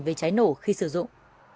về trái nổ khi sử dụng